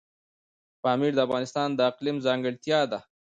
پامیر د افغانستان د اقلیم ځانګړتیا ده.